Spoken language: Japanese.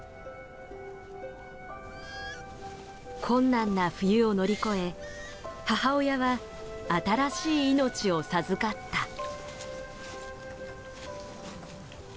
困難な冬を乗り越え母親は新しい命を授かった。